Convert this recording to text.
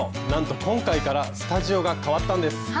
なんと今回からスタジオが変わったんです。